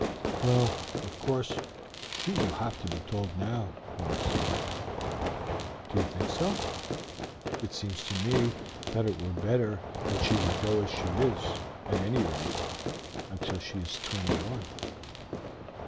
"Well, of course, she will have to be told now," Mark said. "Do you think so? It seems to me that it were better that she would go as she is, at any rate, until she is twenty one."